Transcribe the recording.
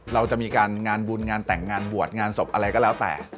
เราจะมีการงานบุญงานแต่งงานบวชงานศพอะไรก็แล้วแต่